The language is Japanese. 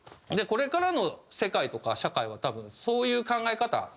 これからの世界とか社会は多分そういう考え方